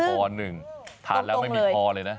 นอพอหนึ่งถาดแล้วไม่มีพอเลยนะ